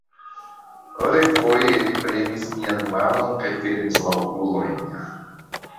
Refoje li premis mian manon kaj fermis la okulojn.